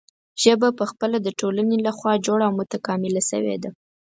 ژبه پخپله د ټولنې له خوا جوړه او متکامله شوې ده.